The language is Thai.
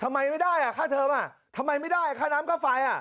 ทำไมไม่ได้อ่ะค่าเทิมอ่ะทำไมไม่ได้ค่าน้ำค่าไฟ